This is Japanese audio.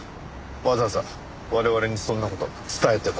わざわざ我々にそんな事伝えてこいって？